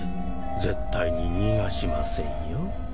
絶対に逃がしませんよ。